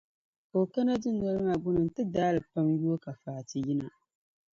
Ka o kana dunoli maa gbuni nti daai li pam n-yooi ka Fati yina.